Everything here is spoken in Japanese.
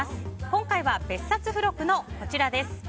今回は別冊付録のこちらです。